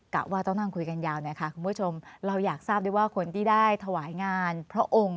ว่าต้องนั่งคุยกันยาวหน่อยค่ะคุณผู้ชมเราอยากทราบด้วยว่าคนที่ได้ถวายงานพระองค์